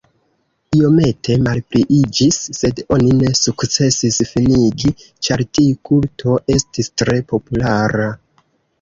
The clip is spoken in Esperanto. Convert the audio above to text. Iomete malpliiĝis, sed oni ne sukcesis finigi, ĉar tiu kulto estis tre populara.